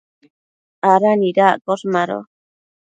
¿ada nidaccosh? Mado